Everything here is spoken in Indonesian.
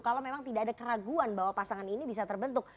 kalau memang tidak ada keraguan bahwa pasangan ini bisa terbentuk